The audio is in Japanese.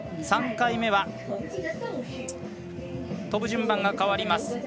３回目はとぶ順番が変わります。